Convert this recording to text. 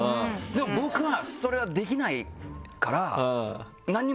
でも僕はそれはできないから。